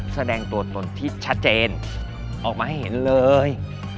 แสดงตัวตนที่ชัดเจนออกมาให้เห็นเลย